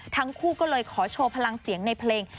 ทั้งคู่ก็เลยขอโชว์พลังเสียงในเพลง